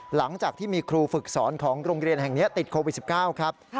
หลังจากที่มีครูฝึกสอนของโรงเรียนแห่งนี้ติดโควิด๑๙ครับ